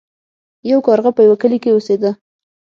یو کارغه په یوه کلي کې اوسیده.